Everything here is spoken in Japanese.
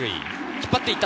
引っ張っていった。